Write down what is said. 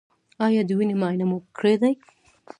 ایا د وینې معاینه مو کړې ده؟